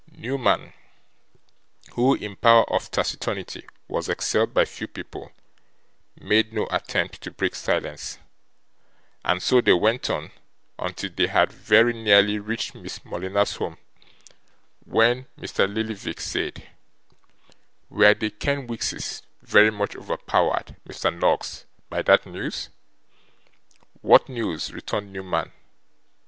Newman, who in power of taciturnity was excelled by few people, made no attempt to break silence; and so they went on, until they had very nearly reached Miss Morleena's home, when Mr Lillyvick said: 'Were the Kenwigses very much overpowered, Mr. Noggs, by that news?' 'What news?' returned Newman.